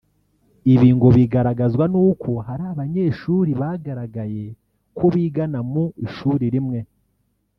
Ibi ngo bigaragazwa n’uko hari abanyeshuri bagaragaye ko bigana mu ishuri rimwe